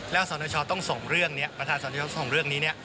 แล้วสนชต้องส่งเรื่องนี้ประธานสนชต้องส่งเรื่องนี้เนี่ย